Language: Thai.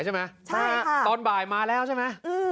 ใช่ค่ะว่าตอนบ่ายมาแล้วใช่มะ